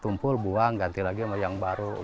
mengganti lagi sama yang baru